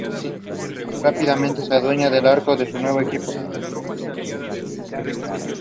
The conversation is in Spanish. Rápidamente se adueña del arco de su nuevo equipo.